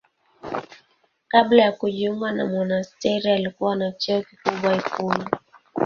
Kabla ya kujiunga na monasteri alikuwa na cheo kikubwa ikulu.